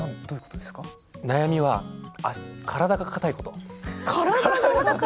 悩みは体が硬いこと。